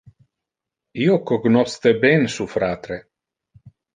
Io cognosce ben su fratre.